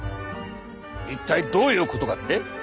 一体どういうことかって？